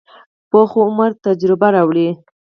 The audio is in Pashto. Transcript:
پوخ عمر تجربه راوړي